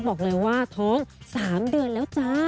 บอกเลยว่าท้อง๓เดือนแล้วจ้า